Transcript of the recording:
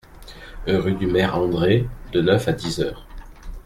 rue du Maire-André, de neuf à dix h.